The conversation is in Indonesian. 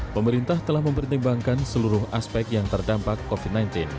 pemerintah telah mempertimbangkan seluruh aspek yang terdampak covid sembilan belas